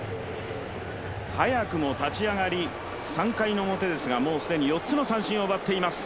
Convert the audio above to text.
早くも立ち上がり、３回の表ですがもう既に４つの三振を奪っています。